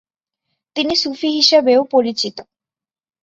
তিনি সুফী হিসেবেও পরিচিত।